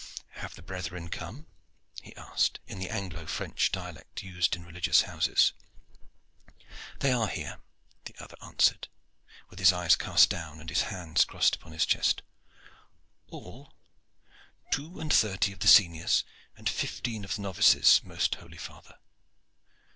"Have the brethren come?" he asked, in the Anglo French dialect used in religious houses. "They are here," the other answered, with his eyes cast down and his hands crossed upon his chest. "All?" "Two and thirty of the seniors and fifteen of the novices, most holy father.